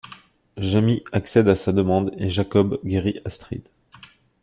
Jamie accède à sa demande et Jacobs guérit Astrid.